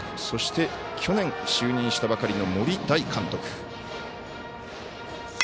そして去年、就任したばかりの森大監督。